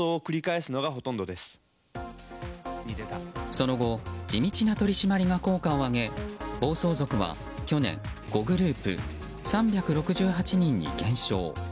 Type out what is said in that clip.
その後地道な取り締まりが効果を上げ暴走族は去年５グループ、３６８人に減少。